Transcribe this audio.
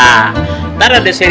ntar ada seri seri baru